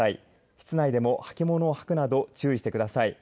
室内でも履物をはくなど注意してください。